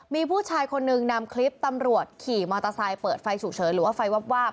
มีผู้ชายคนหนึ่งนำคลิปตำรวจขี่มอเตอร์ไซค์เปิดไฟฉุกเฉินหรือว่าไฟวาบ